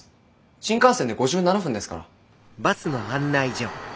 新幹線で５７分ですから。